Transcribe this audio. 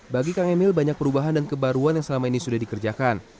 bagi kang emil banyak perubahan dan kebaruan yang selama ini sudah dikerjakan